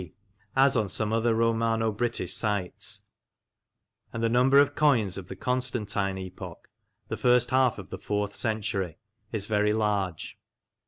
D., as on some other Romano British sites, and the number of coins of the Constantine epoch (the first half of the fourth century) is very large.